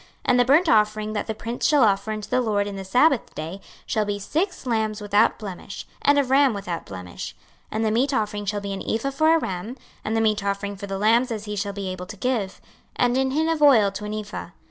26:046:004 And the burnt offering that the prince shall offer unto the LORD in the sabbath day shall be six lambs without blemish, and a ram without blemish. 26:046:005 And the meat offering shall be an ephah for a ram, and the meat offering for the lambs as he shall be able to give, and an hin of oil to an ephah.